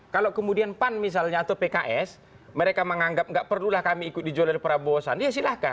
kalau kemudian pan misalnya atau pks mereka menganggap nggak perlulah kami ikut dijual dari prabowo sandi ya silahkan